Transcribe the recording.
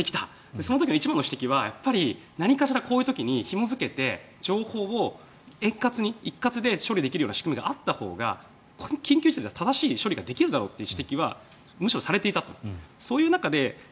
その時の一番の指摘は何かしらこういう時にひも付けて情報を円滑に一括で処理できる仕組みがあったほうが緊急時は正しい処理ができるだろうという指摘はされていたと。